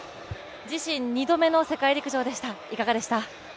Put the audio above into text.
自身２度目の世界陸上でしたいかがでした？